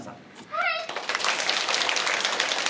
はい。